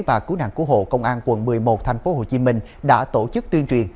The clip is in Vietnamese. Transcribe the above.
và cứu nạn cứu hộ công an quận một mươi một tp hcm đã tổ chức tuyên truyền